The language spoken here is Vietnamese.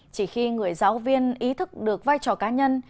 chỉ khi người giáo viên ý thức được vai trò cá nhân